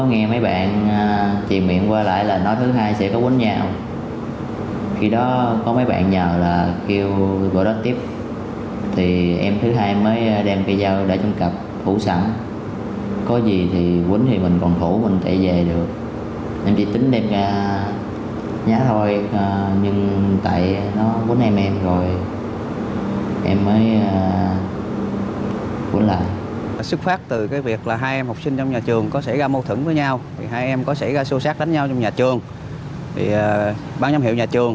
giáo đoán mua trên mạng bữa đó có nghe mấy bạn tìm miệng qua lại là nói thứ hai sẽ có quấn nhau